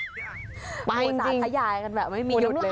อุตสาหยายกันแบบไม่มีหยุดเลย